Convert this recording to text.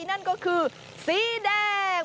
นั่นก็คือสีแดง